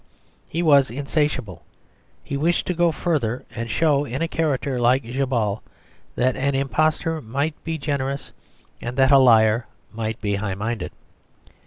He was insatiable: he wished to go further and show in a character like Djabal that an impostor might be generous and that a liar might be high minded.